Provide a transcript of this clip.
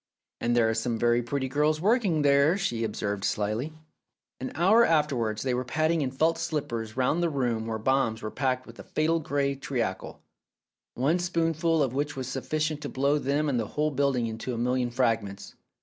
"And there are some very pretty girls working there," she observed slyly. An hour afterwards they were padding in felt slippers round the room where bombs were packed with a fatal grey treacle, one spoonful of which was sufficient to blow them and the whole building into a million fragments.